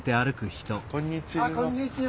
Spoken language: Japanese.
こんにちは。